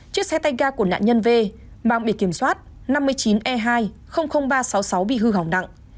chiếc xe tay ga của nạn nhân v băng bị kiểm soát năm mươi chín e hai ba trăm sáu mươi sáu bị hư hỏng đặng